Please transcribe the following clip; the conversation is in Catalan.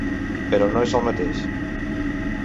Però no és el mateix.